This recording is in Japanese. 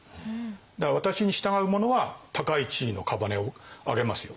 だから私に従う者は高い地位の姓をあげますよと。